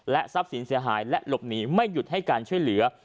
ทรัพย์สินเสียหายและหลบหนีไม่หยุดให้การช่วยเหลือ